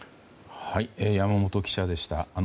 山本記者でした。